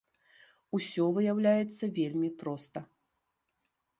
Усё выяўляецца вельмі проста.